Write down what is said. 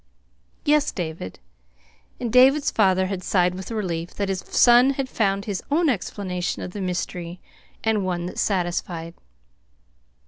"Yes, David." And David's father had sighed with relief that his son had found his own explanation of the mystery, and one that satisfied.